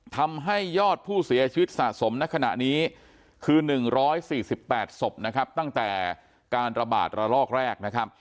ทำให้ยอดผู้เสียชีวิตสะสมในขณะนี้คือ๑๔๘ศพนะครับตั้งแต่การระบาดระลอกแรกนะครับ